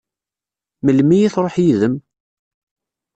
Melmi i tṛuḥ yid-m?